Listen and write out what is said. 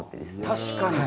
確かに。